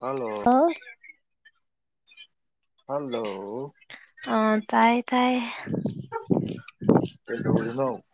hello ꯑ hello ꯑ ꯇꯥꯏ ꯇꯥꯏ ꯗꯧꯅꯣ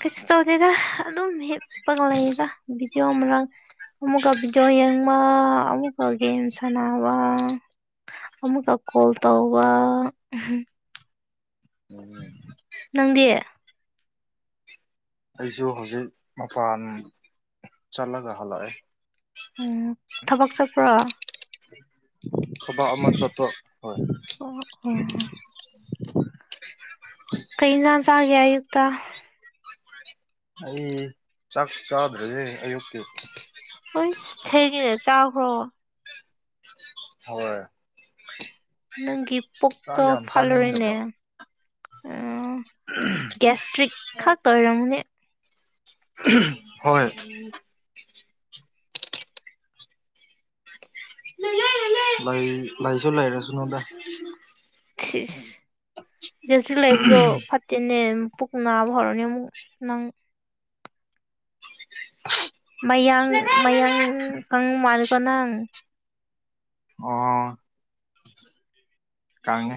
ꯀꯩꯁꯨ ꯇꯧꯗꯦꯗ ꯑꯗꯨꯝ ꯍꯤꯞꯄꯒ ꯂꯩꯗ ꯚꯤꯗꯤꯑꯣ ꯃꯔꯥꯡ ꯑꯃꯨꯛꯀ ꯕꯤꯗꯤꯑꯣ ꯌꯦꯡꯕ ꯑꯃꯨꯛꯀ ꯒꯦꯝ ꯁꯅꯕ ꯑꯃꯨꯛꯀ ꯀꯣꯜ ꯇꯧꯕ ꯎꯝ ꯅꯪꯗꯤ ꯑꯩꯁꯨ ꯍꯧꯖꯤꯛ ꯃꯄꯥꯟ ꯆꯠꯂꯒ ꯍꯜꯂꯛꯑꯦ ꯎꯝ ꯊꯕꯛ ꯆꯠꯄ꯭ꯔꯣ ꯊꯕꯛ ꯑꯃ ꯆꯠꯄ ꯍꫭꯏ ꯑꯣ ꯑꯣ ꯀꯩ ꯏꯟꯖꯥꯡ ꯆꯥꯒꯦ ꯑꯌꯨꯛꯇ ꯑꯩ ꯆꯥꯛ ꯆꯥꯗ꯭ꯔꯤꯌ‌ꯦ ꯑꯌꯨꯛꯀꯤ ꯍꯩꯁ ꯊꯦꯡꯉꯦꯅꯦ ꯆꯥꯈ꯭ꯔꯣ ꯍꯣꯏ ꯅꯪꯒꯤ ꯆꯥꯛ ꯄꯨꯛꯇꯣ ꯌꯥꯝ ꯐꯠꯂꯔꯣꯏꯅꯦ ꯆꯥꯅꯤꯡꯗꯕ ꯒꯦꯁꯇ꯭ꯔꯤꯛ ꯈꯛꯇ ꯑꫭꯏꯔꯝꯅꯦ ꯍꯣꯏ ꯂꯩ ꯂꯩꯁꯨ ꯂꯩꯔꯁꯅꯨꯗ ꯒꯦꯁꯇ꯭ꯔꯤꯛ ꯂꯩꯕꯗꯣ ꯐꯠ ꯇꯦꯅꯦ ꯄꯨꯛ ꯅꯥꯕ ꯍꯧꯔꯅꯤ ꯑꯃꯨꯛ ꯅꯪ ꯃꯌꯥꯡ ꯃꯌꯥꯡ ꯀꯪ ꯃꯥꯜꯂꯦꯀꫭ ꯅꯪ ꯑꯣ ꯀꯪꯉꯦ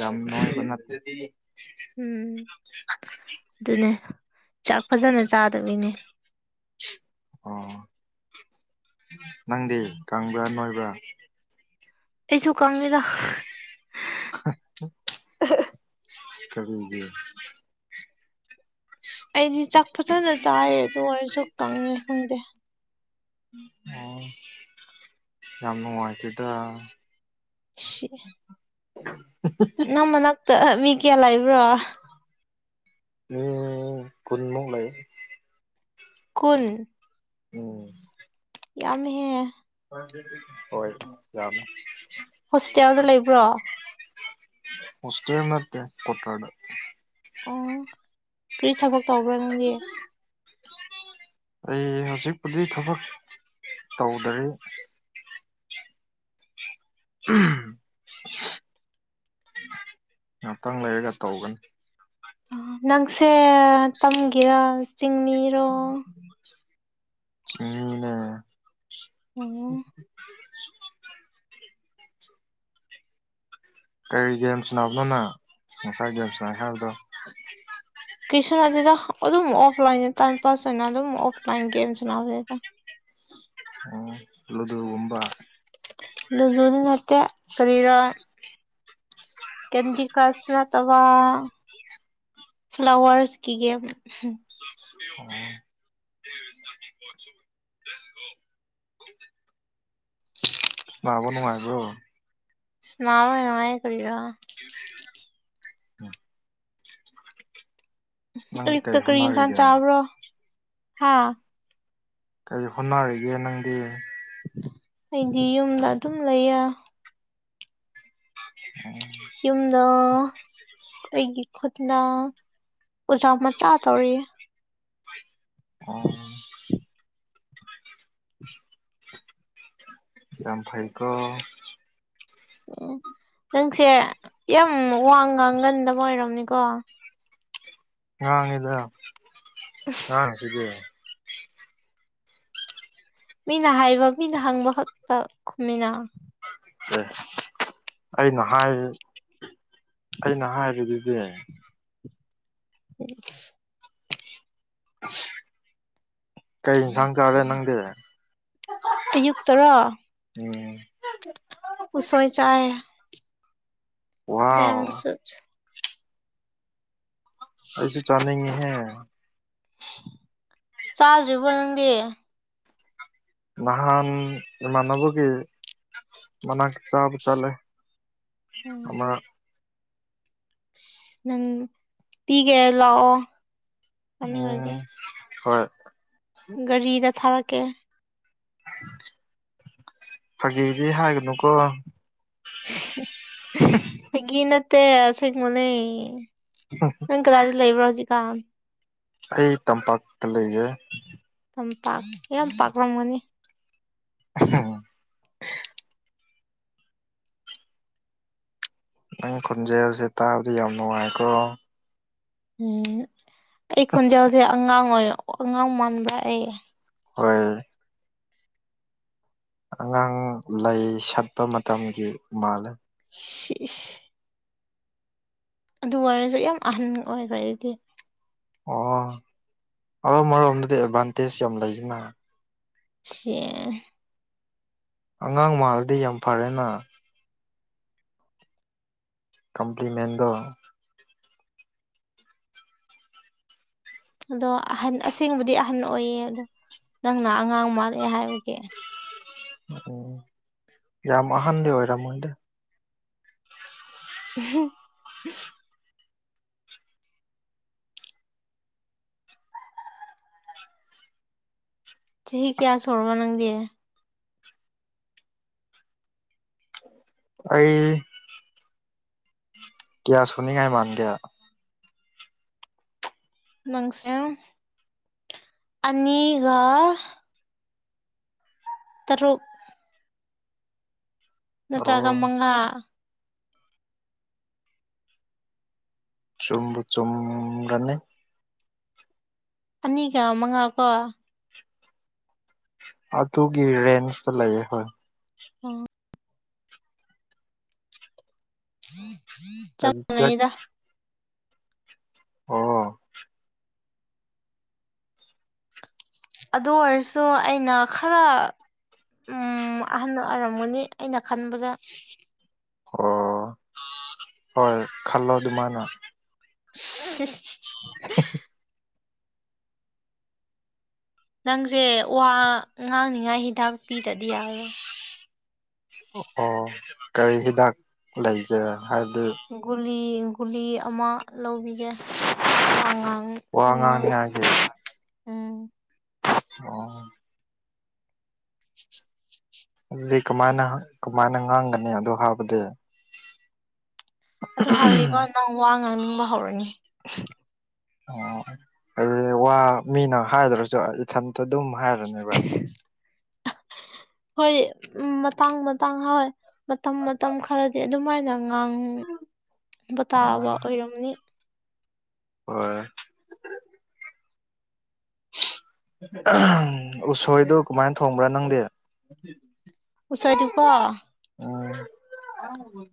ꯌꯥꯝ ꯅꫭꯏꯕ ꯅꯠꯇꯦ ꯎꯝ ꯑꯗꯨꯅꯦ ꯆꯥꯛ ꯐꯖꯅ ꯆꯥꯗꯕꯒꯤꯅ‌ꯦ ꯑꯣ ꯅꯪꯗꯤ ꯀꯪꯕ꯭ꯔ ꯅꯣꯏꯕ꯭ꯔꯥ ꯑꯩꯁꯨ ꯀꯪꯉꯤꯗ ꯍꯥ ꯀꯔꯤꯒꯤ ꯑꯩꯗꯤ ꯆꯥꯛ ꯐꯖꯅ ꯆꯥꯏꯌꯦ ꯑꯗꯨ ꯑꯣꯏꯔꯁꯨ ꯀꯪꯉꯦ ꯈꯪꯗꯦ ꯑꯣ ꯌꯥꯝ ꯅꯨꯡꯉꯥꯏꯇꯦꯗ ꯁꯤ ꯅꯪ ꯃꯅꯥꯛꯇ ꯃꯤ ꯀꯌꯥ ꯂꯩꯕ꯭ꯔꯥ ꯃꯤ ꯀꯨꯟ ꯃꯨꯛ ꯂꯩ ꯀꯨꯟ ꯎꯝ ꯌꯥꯝꯃꯤꯍꯦ ꯍꯣꯏ ꯌꯥꯝꯃꯦ ꯍꯣꯁꯄꯤꯇꯥꯜꯗ ꯂꯩꯕ꯭ꯔꯣ ꯍꯣꯁꯇ‌ꯦꯜ ꯅꯠꯇꯦ ꯀꯋꯥꯇꯔꯗ ꯑꯣ ꯀꯔꯤ ꯊꯕꯛ ꯇꯧꯕ꯭ꯔꯣ ꯅꯪꯗꯤ ꯑꯩ ꯍꯧꯖꯤꯛꯄꯨꯗꯤ ꯊꯕꯛ ꯇꯧꯗꯔꯤ ꯎꯝ ꯉꯍꯥꯛꯇꯪ ꯂꯩꯔꯒ ꯇꯧꯒꯅꯤ ꯅꯪꯁꯦ ꯇꯝꯒꯤꯔꯥ ꯆꯤꯡꯃꯤꯔꯣ ꯆꯤꯡꯃꯤꯅꯦ [inaudible] ꯎꯝ ꯀꯔꯤ ꯒꯦꯝ ꯁꯥꯟꯅꯕꯅꯣ ꯅꯪ ꯉꯁꯥꯏ ꯒꯦꯝ ꯁꯥꯟꯅꯩ ꯍꯥꯏꯕꯗꯣ ꯀꯔꯤꯁꯨ ꯅꯠꯇꯦꯗ ꯑꯗꯨꯝ ꯑꯣꯐꯂꯥꯏꯟ ꯇꯥꯏꯝ ꯄꯥꯁ ꯑꯣꯏꯅ ꯑꯗꯨꯝ ꯑꯣꯐꯂꯥꯏꯟ ꯒꯦꯝ ꯁꯅꯥꯕꯅꯤꯗ ꯑꯣ ꯂꯨꯗꫭ ꯒꯨꯝꯕ ꯂꯨꯗꫭꯗꯤ ꯅꯠꯇꯦ ꯀꯔꯤꯔ ꯀ‌ꯦꯟꯗꯤ ꯀꯔꯁ ꯅꯠꯇꯕ ꯐ꯭ꯂꯥꯋꯔꯁ ꯀꯤ ꯒ‌ꯦꯝ ꯑꯣ ꯑꯗꯨꯁ [inaudible] ꯅꯅꯥꯕ ꯅꯉꯥꯏꯔꯤꯕꯣ ꯎ ꯃꯥꯥꯏ ꯀꯒ [inaudible] ꯅꯪꯗꯤ ꯑꯌꯨꯛꯇ ꯀꯩ ꯀꯔꯤ ꯏꯟꯁꯥꯡ ꯍꯣꯠꯅꯔꯤꯒꯦ ꯆꯥꯕ꯭ꯔꯣ ꯍꯥꯥ ꯀꯔꯤ ꯍꯣꯠꯅꯔꯤꯒꯦ ꯅꯪꯗꯤ ꯑꯩꯗꯤ ꯌꯨꯝꯗ ꯑꯗꯨꯝ ꯂꯩꯌꯦ ꯎꯝ ꯌꯨꯝꯗ ꯑꯩꯒꯤ ꯈꯨꯠꯅ ꯑꯣꯖꯥ ꯃꯆꯥ ꯇꯧꯔꯤ ꯑꯣ ꯭ꯔꯝ ꯐꯥꯏꯀꯣ ꯎ ꯅꯪꯁꯦ ꯌꯥꯝ ꯋꯥ ꯉꯥꯡꯒꯟꯗꯕ ꯑꯣꯏꯝꯅꯤꯀꯣ ꯉꯥꯡꯉꯤꯗ ꯉꯥꯡꯁꯤꯗꯤ ꯃꯤꯅ ꯍꯥꯏꯕ ꯃꯤꯅ ꯍꯪꯕ ꯈꯛꯇ ꯈꯨꯝꯃꯤꯅꯥ ꯑꯦ ꯑꯩꯅ ꯍꯥꯏ ꯑꯩꯅ ꯍꯥꯏꯕꯗꯨꯗꯤ ꯎꯝ ꯀꯩ ꯌꯦꯟꯁꯥꯡ ꯆꯥꯔꯦ ꯅꯪꯗꯤ ꯑꯌꯨꯛꯇꯔꯣ ꯑꯣꯝ ꯎꯁꯣꯏ ꯆꯥꯏ ꯏꯕꯦꯝꯃ ꯋꯥ ꯑꯩꯁꯨ ꯆꯥꯒꯦ ꯍ ꯆꯥꯗ꯭ꯔꯤꯕꯣ ꯅꯪꯗꯤ ꯅꯍꯥꯟ ꯏꯃꯥꯟꯅꯕꯒꯤ ꯃꯅꯥꯛꯇ ꯆꯥꯕ ꯆꯠꯂꯦ ꯎꯝ ꯑꯃꯃ ꯅꯪ ꯍꯤꯒ ꯂꯥꯎꯑꯣ ꯎꯝ ꯍꯣꯏ ꯒꯥꯔꯤꯗ ꯊꯥꯔꯛꯀꯦ ꯐꯥꯒꯦꯗꯤ ꯍꯥꯏꯒꯅꯨꯀꯣ [inaudible] ꯍ ꯒꯤ ꯅꯠꯇꯦꯁ ꯃꯅꯦ ꯍ ꯀꯗꯥꯗꯤ ꯂꯩꯕ꯭ꯔꯣꯁꯤ ꯀꯥꯟ ꯑꯩ ꯇꯝꯄꯥꯛꯇ ꯂꯩꯌꯦꯦ ꯌꯥꯝ ꯄꯥꯛ ꯌꯥꯝ ꯄꯥꯛꯂꯝꯝꯒꯅꯤ ꯑ ꯅꯪ ꯈꯣꯟꯖꯦꯜꯁꯦ ꯇꯥꯕꯗ ꯌꯥꯝ ꯅꯨꯡꯉꯥꯏꯀꯣ ꯎꯝ ꯑꯩ ꯈꯣꯟꯖꯦꯜꯁꯦ ꯑꯉꯥꯡ ꯑꯣꯏ ꯑꯉꯥꯡ ꯃꯥꯟꯕ꯭ꯔ ꯑꯩ ꯍꯣꯏ ꯑꯉꯥꯡ ꯂꯩ ꯁꯠꯄ ꯃꯇꯝꯒꯤ ꯃꯥꯜꯂꯦ [inaudible] ꯑꯗꯨ ꯑꯣꯏꯔꯁꯨ ꯌꯥꯝ ꯑꯍꯟ ꯑꯣꯏꯈ꯭ꯔ ꯑꯩꯗꯤ ꯑꯣ ꯑꯗꯣ ꯑꯃꯔꯣꯝꯗꯗꯤ ꯑꯦꯗꯚꯥꯟꯇꯦꯖ ꯌꯥꯝ ꯂꯩꯁꯤꯅ ꯁꯤꯦ ꯑꯉꯥꯡ ꯃꯥꯜꯂꯗꯤ ꯌꯥꯝ ꯐꯔꯦꯅ ꯀꯝꯄ꯭ꯂꯤꯃꯦꯟꯗ ꯑꯗꯣ ꯑꯍꯟ ꯑꯁꯦꯡꯕꯗꯤ ꯑꯍꯟ ꯑꯣꯏꯌꯦ ꯑꯗꯣ ꯅꯪꯅ ꯑꯉꯥꯡ ꯃꯥꯜꯂꯛꯑꯦ ꯍꯥꯏꯕꯒꯤꯦ ꯎꯝ ꯌꯥꯝ ꯑꯍꯟꯗꯤ ꯑꯣꯏꯔꯝꯃꯣꯏꯗꯤ ꯎ ꯆꯍꯤ ꯀꯌꯥ ꯁꯨꯔꯕ ꯅꯪꯗꯤ ꯑꯩ ꯀ꯭ꯌꯥ ꯁꯨꯅꯤꯡꯉꯥꯏ ꯃꯥꯟꯒꯦ ꯅꯪꯁꯦ ꯑꯅꯤꯒ ꯇꯔꯨꯛ ꯅꯠꯇ꯭ꯔꯒ ꯑꯣ ꯃꯉꯥ ꯆꯨꯝꯕꯨ ꯆꯨꯝꯒꯅꯤ ꯑꯅꯤꯒ ꯃꯉꯥ ꯀꯣ ꯑꯗꯨꯒꯤ ꯔꯦꯟꯖꯇ ꯂꯩꯌꯦ ꯍꯣꯏ ꯑꯣ ꯑꯦꯛꯖꯦꯛ ꯆꯞꯃꯥꯟꯅꯩꯗ ꯑꯣ ꯑꯗꯨ ꯑꯣꯏꯔꯁꯨ ꯑꯩꯅ ꯈꯔ ꯎꯝ ꯑꯍꯟ ꯑꯣꯏꯔꯝꯒꯅꯤ ꯑꯩꯅ ꯈꯟꯕꯗ ꯑꯣ ꯍꯣꯏ ꯈꯜꯂꯣ ꯑꯗꯨꯃꯥꯏꯅ [unintelligible] ꯍꯨꯝ ꯅꯪꯁꯦ ꯋꯥ ꯉꯥꯡꯅꯤꯉꯥꯏ ꯍꯤꯗꯥꯛ ꯄꯤꯗꯗꯤ ꯌꯥꯔꯔꯣꯏ ꯑꯣ ꯀꯔꯤ ꯍꯤꯗꯥꯛ ꯂꯩꯒꯦ ꯍꯥꯏꯕꯗꯤ ꯒꯨꯂꯤ ꯒꯨꯂꯤ ꯑꯃ ꯂꯧꯕꯤꯒꯦ ꯋꯥꯉꯥꯡꯅꯤ ꯉꯥꯡꯅꯤꯉꯥꯏ ꯉꯥꯏꯒꯤ ꯎꯝ ꯑꯣ [unintelligible] ꯑꯗꯨꯗꯤ ꯀꯃꯥꯏꯅ ꯀꯃꯥꯏꯅ ꯉꯥꯡꯒꯅꯤ ꯑꯗꯨ ꯍꯥꯏꯕꯗꯤ ꯑꯗꯨ ꯍꯥꯏꯔꯤꯒ ꯅꯪ ꯋꯥ ꯉꯥꯡꯅꯤꯡꯕ ꯍꯧꯔꯅꯤ ꯑꯣ ꯍꯥꯏꯗꯤ ꯋꯥ ꯃꯤꯅ ꯍꯥꯏꯗ꯭ꯔꯁꯨ ꯏꯊꯟꯇ ꯑꯗꯨꯝ ꯍꯥꯏꯔꯅꯦꯕ [inaudible] ꯍꯣꯏ ꯎꯝ ꯃꯇꯥꯡ ꯃꯇꯥꯡ ꯍꯣꯏ ꯃꯇꯝ ꯃꯇꯝ ꯈꯔꯗꯤ ꯑꯗꯨꯝꯃꯥꯏꯅ ꯉꯥꯡꯕ ꯇꯥꯕ ꯑꯣ ꯑꯣꯏꯔꯝꯅꯤ ꯍꯣꯏ ꯎꯝ ꯎꯁꯣꯏꯗꯨ ꯀꯃꯥꯏꯅ ꯊꯣꯡꯕ꯭ꯔꯥ ꯅꯪꯗꯤ ꯎꯁꯣꯏ ꯗꯤꯀꯣ ꯎꯝ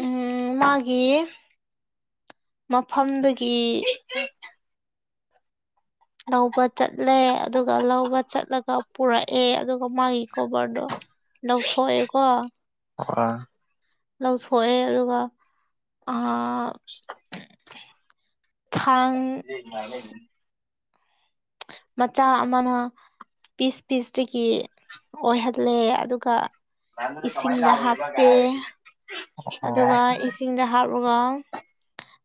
ꯎꯝ ꯃꯥꯒꯤ ꯃꯐꯝꯗꯨꯒꯤ [unintelligible] ꯂꯧꯕ ꯆꯠꯂꯦ ꯑꯗꯨꯒ ꯂꯧꯕ ꯆꯠꯂꯒ ꯄꯨꯔꯛꯑꯦ ꯑꯗꯨꯒ ꯃꯥꯒꯤ ꯀꯣꯕꯔꯗꯣ ꯂꯧꯊꯣꯛꯑꯦꯀꯣ ꯑꯣ ꯂꯧꯊꯣꯛꯑꯦ ꯑꯗꯨꯒ ꯊꯥꯡ ꯎ ꯇꯔ ꯃꯆꯥ ꯑꯃꯅ ꯄꯤꯁ ꯄꯤꯁꯇꯨꯒꯤ ꯑꯣꯏꯍꯜꯂꯦ ꯑꯗꯨꯒ ꯏꯁꯤꯡꯗ ꯍꯥꯞꯄꯦ ꯑ ꯑꯣ ꯑꯗꯨꯒ ꯏꯁꯤꯡꯗ ꯍꯥꯞꯂꯒ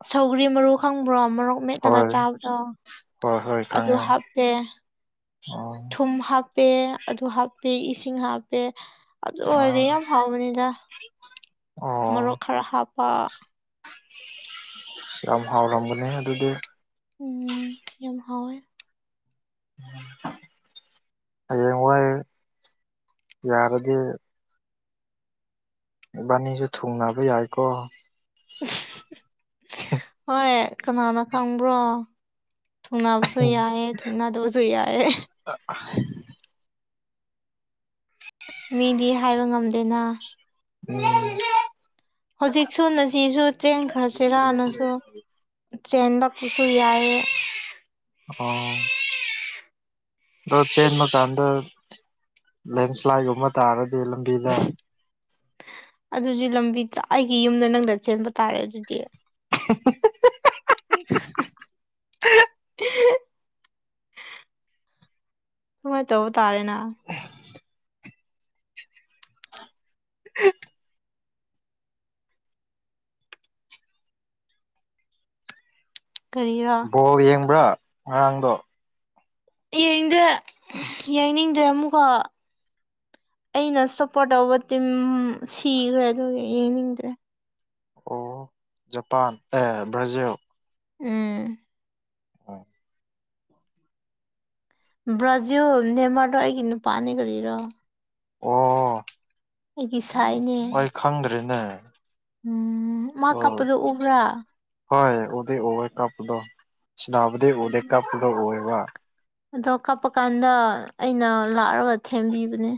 ꯁꯧꯒ꯭ꯔꯤ ꯃꯔꯨ ꯈꯪꯕ꯭ꯔꯣ ꯃꯔꯨ ꯃꯦꯠꯂꯒ ꯍꯣꯏ ꯆꯥꯕꯗꯣ ꯍꯣꯏ ꯍꯣꯏ ꯑꯗꯨ ꯈꯪꯉꯦ ꯍꯥꯞꯄꯦ ꯑꯣ ꯊꯨꯝ ꯍꯥꯞꯄꯦ ꯑꯗꯨ ꯍꯥꯞꯄꯦ ꯏꯁꯤꯡ ꯍꯥꯞꯄꯦ ꯑꯗꯨ ꯑꯥ ꯑꯣꯏꯔꯗꯤ ꯌꯥꯝ ꯍꯥꯎꯕꯅꯤꯗ ꯃꯔꯣꯛ ꯑꯣ ꯈꯔ ꯍꯥꯞꯄ ꯌꯥꯝ ꯍꯥꯎꯔꯒꯅꯤꯍꯦ ꯑꯗꯨꯗꯤ ꯎꯝ ꯌꯥꯝ ꯍꯥꯎꯋꯦ ꯍꯌꯦꯡ ꯋꯥꯏ ꯌꯥꯔꯗꯤ ꯏꯕꯥꯅꯤꯖꯨ ꯊꯨꯡꯅꯕ ꯌꯥꯏꯀꯣ ꯍꯣꯏ ꯀꯅꯥꯅ ꯈꯪꯕ꯭ꯔꯣ ꯊꯨꯡꯅꯕꯁꯨ ꯎꯝ ꯌꯥꯏꯌꯦ ꯊꯨꯡꯅꯗꯕꯁꯨ ꯌꯥꯏꯌꯦ [inaudible] ꯃꯤꯗꯤ ꯍꯥꯏꯕ ꯉꯝꯗꯦꯅ ꯎꯝ ꯍꯧꯖꯤꯛꯁꯨ ꯅꯁꯤꯁꯨ ꯆꯦꯟꯈꯔꯁꯤꯔꯥꯅꯁꯨ ꯆꯦꯟꯂꯛꯄꯁꯨ ꯌꯥꯏꯌꯦ ꯑꯣ ꯑꯗꯣ ꯆꯦꯟꯕꯀꯥꯟꯗ ꯂꯦꯟꯁ꯭ꯂꯥꯏꯠꯒꯨꯝꯕ ꯇꯥꯔꯗꯤ ꯂꯝꯕꯤꯗ ꯑꯗꯨꯖꯤ ꯂꯝꯕꯤ ꯑꯩꯒꯤ ꯌꯨꯝꯗ ꯅꯪꯗ ꯆꯦꯟꯕ ꯇꯥꯔꯦ ꯑꯗꯨꯗꯤ [inaudible] [unintelligible] [unintelligible] [inaudible] ꯗꯨꯃꯥꯢ ꯇꯧꯕꯨ ꯇꯥꯔꯦꯅ [unintelligible] [inaudible] ꯀꯔꯤꯔꯥ ꯕꯣꯜ ꯌꯦꯡꯕ꯭ꯔꯥ ꯉꯔꯥꯡꯗꯣ ꯌꯦꯡꯗꯦ ꯌꯦꯡꯅꯤꯡꯗ꯭ꯔꯦ ꯑꯃꯨꯛꯀꯥ ꯑꯩꯅ ꯁꯞꯄꯣꯔꯠ ꯇꯧꯕ ꯇꯤꯝ ꯁꯤꯒ꯭ꯔꯦ ꯑꯗꯨꯒꯤ ꯌꯦꯡꯅꯤꯡꯗ꯭ꯔꯦ ꯑꯣ ꯖꯄꯥꯟ ꯑꯦ ꯕ꯭ꯔꯥꯖꯤꯜ ꯎꯝ [unintelligible] ꯕ꯭ꯔꯥꯖꯤꯜ ꯅꯦꯃꯥꯔꯗꯣ ꯑꯩꯒꯤ ꯅꯨꯄꯥꯅꯦ ꯀꯔꯤꯔꯣ ꯑꯣ ꯑꯩꯒꯤ ꯁꯥꯏꯅꯦ ꯑꯩ ꯈꯪꯗ꯭ꯔꯦꯅꯦ ꯎꯝ ꯃꯥ ꯑꯣ ꯀꯞꯄꯗꯣ ꯎꯕ꯭ꯔꯥ ꯍꯣꯏ ꯎꯗꯤ ꯑꯨꯋꯦ ꯀꯞꯄꯗꯣ ꯁꯅꯥꯕꯗꯤ ꯎꯗꯦ ꯀꯞꯄꯗꯣ ꯑꯨꯋꯦꯕ ꯑꯗꯣ ꯀꯞꯄ ꯀꯥꯟꯗ ꯑꯩꯅ ꯂꯥꯛꯑꯔꯒ ꯊꯦꯝꯕꯤꯕꯅꯦ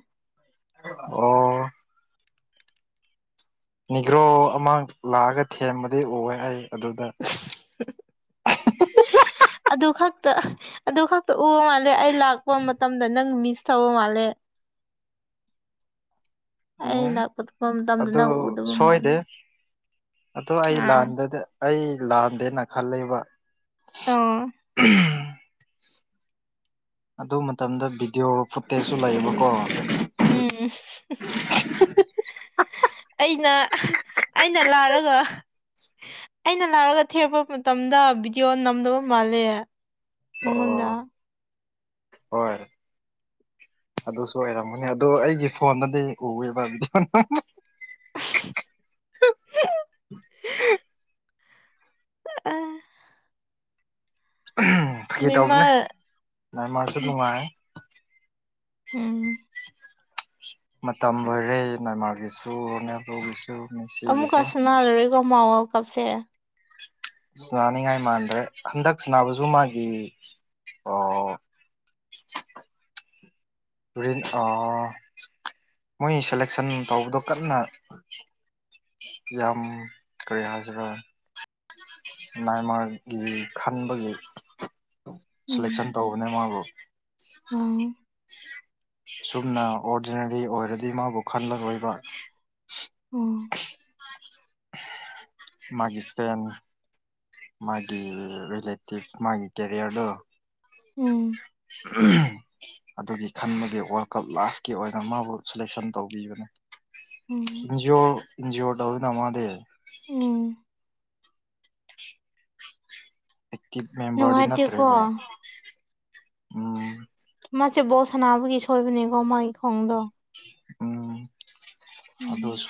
ꯑꯣ ꯅꯤꯒ꯭ꯔꯣ ꯑꯃ ꯂꯥꯛꯑꯒ ꯊꯦꯝꯕꯗꯤ ꯎꯋꯦ ꯑꯩ ꯑꯗꯨꯗ ꯑꯗꯨ ꯈꯛꯇ ꯑꯗꯨ ꯈꯛꯇ ꯎꯕ ꯃꯥꯜꯂꯦ ꯑꯩ ꯂꯥꯛꯄ ꯃꯇꯝꯗ ꯅꯪ ꯃꯤꯁ ꯇꯧꯕ ꯃꯥꯜꯂꯦ [inaudible] ꯑ ꯎꯝ ꯂꯥꯛꯄ ꯊꯨꯞꯄ ꯃꯇꯝꯗ ꯑꯗꯨ ꯅꯪ ꯎꯗꯕ ꯃꯥꯜꯂꯦ ꯑꯗꯣ ꯑꯩ ꯑꯥ ꯂꯥꯟꯗꯗ ꯑꯩ ꯂꯥꯟꯗꯦꯅ ꯈꯜꯂꯤꯕ ꯑꯣ ꯑꯗꯨ ꯃꯇꯝꯗꯣ ꯚꯤꯗꯤꯌꯣ ꯐꯨꯇꯦꯖꯁꯨ ꯂꯩꯌꯦꯕꯀꯣ ꯎꯝ ꯑꯩꯅ ꯑꯩꯅ ꯂꯥꯔꯒ ꯑꯩꯅ ꯂꯥꯑꯔꯒ ꯊꯦꯝꯕ ꯃꯇꯝꯗ ꯚꯤꯗꯤꯌꯣ ꯅꯝꯗꯕ ꯃꯥꯜꯂꯦ ꯃꯉꯣꯟꯗ ꯍꯣꯢ ꯑꯗꯨꯁꯨ ꯑꯣꯏꯔꯝꯒꯅꯤ ꯑꯗꯣ ꯑꯩꯒꯤ ꯐꯣꯟꯗꯗꯤ ꯎꯋꯦꯕ ꯕꯤꯗꯤꯌꯣ [inaudible] [unintelligible] ꯎꯝ ꯐꯀꯦ ꯇꯧꯕꯅꯦ ꯅꯦꯃꯥꯔ ꯥꯏ ꯃꯥꯁꯨ ꯅꯨꯡꯉꯥꯏ ꯎꯝ ꯃꯇꯝ ꯂꯣꯏꯔꯦ ꯃꯦꯟꯃꯥꯔꯒꯤꯁꯨ ꯅꯦꯄꯨꯔꯒꯤꯁꯨ ꯑꯃꯨꯛꯀ ꯁꯅꯥꯔꯔꯀꯣ ꯃꯥꯥ ꯋꯥꯔꯜ ꯀꯞꯁꯦ ꯁꯤꯅꯥꯅꯤꯡꯉꯥꯏ ꯃꯥꯟꯗ꯭ꯔꯦ ꯍꯟꯗꯛ ꯁꯤꯕꯁꯨ ꯃꯥꯒꯤ ꯑꯣ ꯇꯦꯟ ꯑ ꯃꯣꯏ ꯁꯦꯂꯦꯛꯁꯟ ꯇꯧꯕꯗꯣ ꯀꯟꯅ ꯌꯥꯝ ꯀꯔꯤ ꯍꯥꯏꯖꯔ ꯃꯌꯥꯃꯥꯔꯒꯤ ꯈꯟꯕꯒꯤ ꯁꯦꯂꯦꯛꯁꯟ ꯇꯧꯕꯅꯦ ꯃꯥꯕꯨ ꯑ ꯁꯨꯝꯅ ꯑꯣꯔꯗꯤꯅꯔꯤ ꯑꯣꯏꯔꯗꯤ ꯃꯥꯕꯨ ꯈꯜꯂ ꯂꯣꯏꯕ ꯑꯣ ꯃꯥꯒꯤ ꯇ ꯃꯥꯒꯤ ꯏꯂꯠꯇ ꯃꯥꯒꯤ ꯇꯦꯔꯌꯥ ꯎꯝ ꯑꯗꯨꯒꯤ ꯈꯟꯕꯒꯤ ꯋꯥꯔꯜ ꯀꯞ ꯂꯥꯁꯀꯤ ꯑꯣꯏꯅ ꯃꯥꯕꯨ ꯁꯦꯂꯦꯛꯁꯟ ꯇꯧꯕꯤꯕꯅꯦ ꯎꯝ ꯏꯟꯖꯤ ꯑꯣ ꯏꯟꯖꯤ ꯑꯣꯗ ꯅꯃꯗ ꯎꯝ ꯑꯦꯛꯇꯤꯞ ꯃꯦꯝꯕꯔꯗꯤ ꯅꯨꯡꯉꯥꯏꯇꯦꯀꯣ ꯅꯠꯇ꯭ꯔꯦꯕ ꯎꯝ ꯃꯥꯁꯦ ꯕꯣꯠ ꯁꯥꯟꯅꯥꯅꯕꯒꯤ ꯁꯣꯏꯕꯅꯦꯀꯣ ꯃꯥꯒꯤ ꯈꯣꯡꯗꯣ ꯎꯝ ꯎꯝ ꯑꯗꯨꯗꯣ